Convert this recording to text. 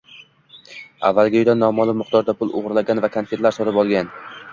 avvaliga uydan noma’lum miqdorda pul o‘g‘irlagan va konfetlar sotib olgan.